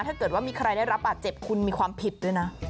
ถ้าเกิดว่ามีใครได้รับบาดเจ็บคุณมีความผิดด้วยนะ